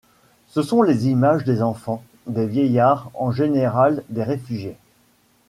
Se sont les images des enfants, des vieillards, en général, des réfugiés.